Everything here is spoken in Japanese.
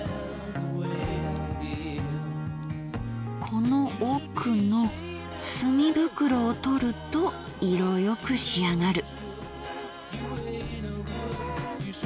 この奥の墨袋を取ると色よく仕上がる。